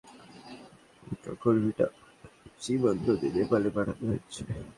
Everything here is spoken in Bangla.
সেখান থেকে নেপালি ট্রাকে করে কাঁকরভিটা সীমান্ত দিয়ে নেপালে পাঠানো হচ্ছে।